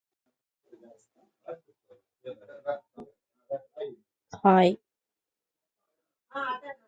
During the early twentieth century, the term sergeant piper was used instead.